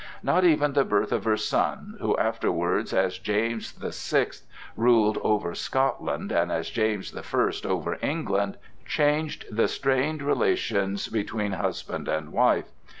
Not even the birth of her son, who afterwards as James the Sixth ruled over Scotland and as James the First over England, changed the strained relations between husband and wife.